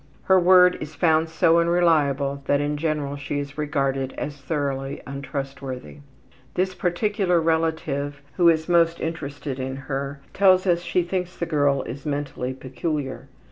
Her word is found so unreliable that in general she is regarded as thoroughly untrustworthy. This particular relative, who is most interested in her, tells us she thinks the girl is mentally peculiar.